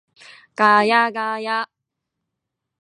ガヤガヤ